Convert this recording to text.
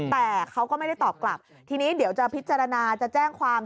แต่เขาก็ไม่ได้ตอบกลับทีนี้เดี๋ยวจะพิจารณาจะแจ้งความ